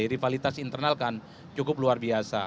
rivalitas internal kan cukup luar biasa